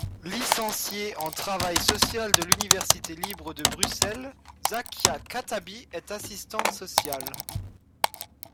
Licenciée en travail social de l'université libre de Bruxelles, Zakia Khattabi est assistante sociale.